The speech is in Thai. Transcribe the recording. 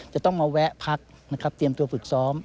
จะต้องมาแวะพักนะครับเตรียมตัวฝึกซ้อม